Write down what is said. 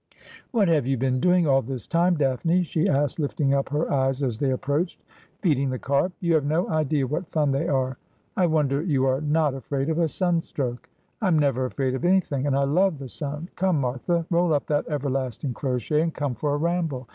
'What have you been doing all this time, Daphne?' she asked, lifting up her eyes as they approached. ' Feeding the carp. You have no idea what fun they are.' ' I wonder you are not afraid of a sunstroke.' ' I am never afraid of anything, and I love the sun. Come, Martha, roll up that everlasting crochet, and come for a ramble.